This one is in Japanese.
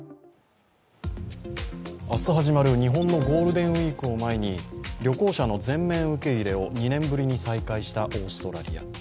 明日始まる日本のゴールデンウイークを前に、旅行者の全面受け入れを２年ぶりに再開したオーストラリア。